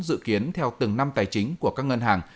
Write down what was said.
dự kiến theo từng năm tài chính của các ngân hàng